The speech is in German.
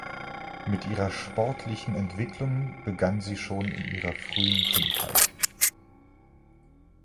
Mit ihrer sportlichen Entwicklung begann sie schon in ihrer frühen Kindheit.